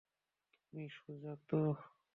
তুমি সোজা তো?